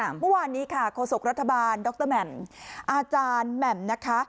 เมื่อวานนี้ค่ะโฆษกรัฐบาลดรแหม่มอาจารย์แหม่มนะคะ